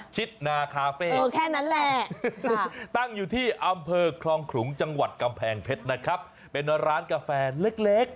ชิดนาคาเฟ่แค่นั้นแหละตั้งอยู่ที่อำเภอคลองขลุงจังหวัดกำแพงเพชรนะครับเป็นร้านกาแฟเล็ก